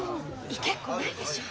行けっこないでしょ。